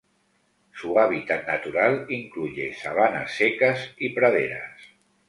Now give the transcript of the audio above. Su hábitat natural incluye sabanas secas y praderas.